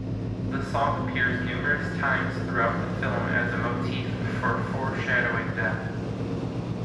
The song appears numerous times throughout the film as a motif for foreshadowing death.